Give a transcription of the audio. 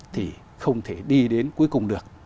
thì không thể đi đến cuối cùng được